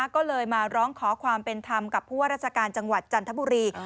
ก็เลยมาร้องขอความเป็นธรรมกับผู้ว่าราชการจังหวัดจันทบุรี